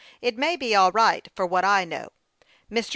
" It may be all right, for what I know. Mr.